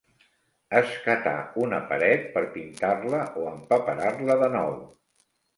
Escatar una paret per pintar-la o empaperar-la de nou.